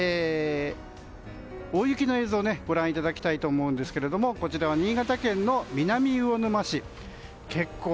大雪の映像をご覧いただきたいと思うんですがこちらは新潟県の南魚沼市。